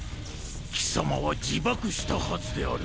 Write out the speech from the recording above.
貴様は自爆したはずである。